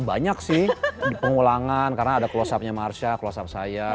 banyak sih pengulangan karena ada close up nya marsha close up saya